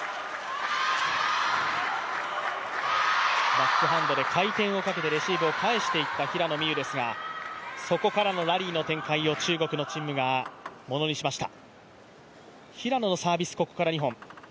バックハンドで回転をかけてレシーブを返していった平野美宇ですが、そこからのラリーの展開を中国の陳夢が物にしました。